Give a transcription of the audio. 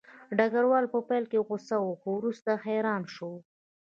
ډګروال په پیل کې غوسه و خو وروسته حیران شو